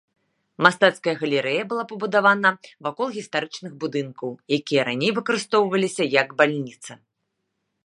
Мастацкая галерэя была пабудавана вакол гістарычных будынкаў, якія раней выкарыстоўваліся як бальніца.